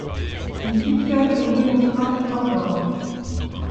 Il succède au démocrate Al Gore.